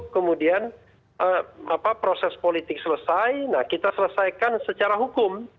kemudian proses politik selesai nah kita selesaikan secara hukum